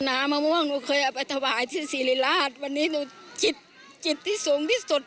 น้ำมะม่วงหนูเคยเอาไปถวายที่ศิริราชวันนี้หนูจิตจิตที่สูงที่สุด